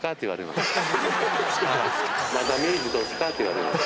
って言われます。